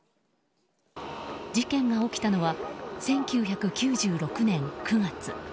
事件が起きたのは１９９６年９月。